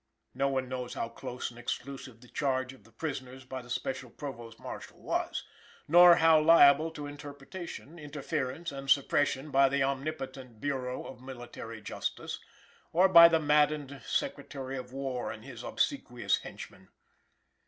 No one knows how close and exclusive the charge of the prisoners by the special Provost Marshal was, nor how liable to interruption, interference and supersession by the omnipotent Bureau of Military Justice, or by the maddened Secretary of War and his obsequious henchmen.